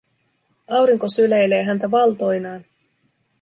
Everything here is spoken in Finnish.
Aurinko syleilee häntä valtoinaan.